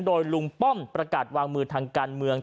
โดยลุงป้อมประกาศวางมือทางการเมือง